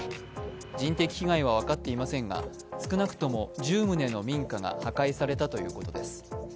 人的被害は分かっていませんが、少なくとも１０棟の民家が破壊されたということです。